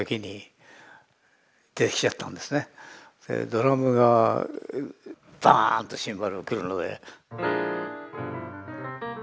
ドラムがバーンとシンバルがくるので。